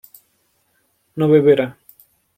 no beberá